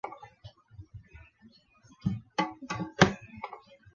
鸭是人类饲养的主要家禽之一。